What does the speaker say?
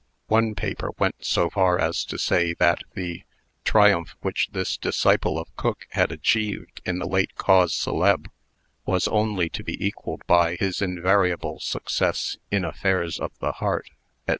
One paper went so far as to say, that the "triumph which this disciple of Coke had achieved in the late cause celebre, was only to be equalled by his invariable success in affairs of the heart, &c.